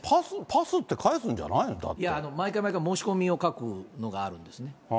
パスって返すんじゃないの、だっ毎回毎回申し込みを書くのがあるんですね。